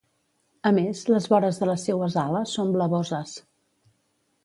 A més, les vores de les seues ales són blavoses.